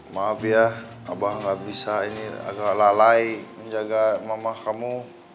maaf ya abah gak bisa ini agak lalai menjaga mamah kamu